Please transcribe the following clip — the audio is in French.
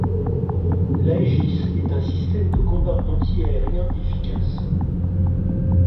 L'Aegis est un système de combat antiaérien efficace.